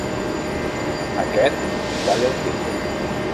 Aquest li talla un dit.